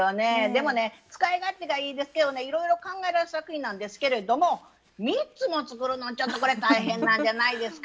でもね使い勝手がいいですけどねいろいろ考えられた作品なんですけれども３つも作るのちょっとこれ大変なんじゃないですか？